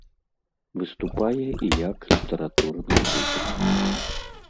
Выступае і як літаратурны крытык.